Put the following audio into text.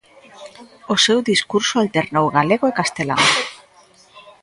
O seu discurso alternou galego e castelán.